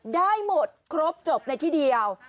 ได้หมดครบจบในที่เดียว